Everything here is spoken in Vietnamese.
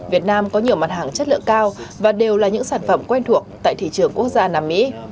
việt nam có nhiều mặt hàng chất lượng cao và đều là những sản phẩm quen thuộc tại thị trường quốc gia nam mỹ